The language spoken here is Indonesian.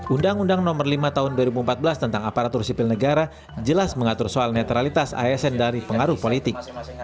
undang undang nomor lima tahun dua ribu empat belas tentang aparatur sipil negara jelas mengatur soal netralitas asn dari pengaruh politik